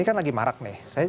ini kan lagi marak nih